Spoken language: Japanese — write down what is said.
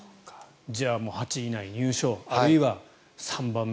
じゃあ、８位以内入賞あるいは３番目。